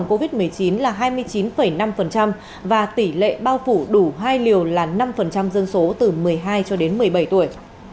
covid một mươi chín là hai mươi chín năm và tỷ lệ bao phủ đủ hai liều là năm dân số từ một mươi hai cho đến một mươi bảy tuổi